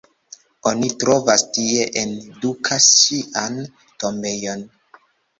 Oni trovas tie, en Duka ŝian tombejon.